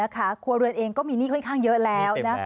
ครัวเรือนเองก็มีหนี้ค่อนข้างเยอะแล้ว